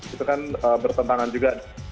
itu kan bertentangan juga